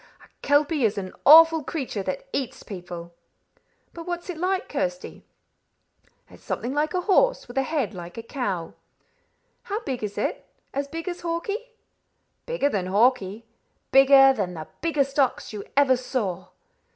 "A kelpie is an awful creature that eats people." "But what is it like, Kirsty?" "It's something like a horse, with a head like a cow." "How big is it? As big as Hawkie?" "Bigger than Hawkie; bigger than the biggest ox you ever saw."